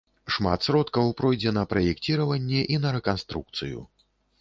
Шмат сродкаў пройдзе на праекціраванне і на рэканструкцыю.